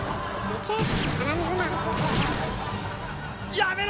やめろ！